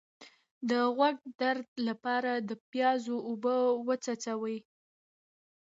د غوږ درد لپاره د پیاز اوبه وڅڅوئ